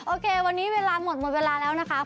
โอเควันนี้เวลาหมดหมดเวลาแล้วนะคะ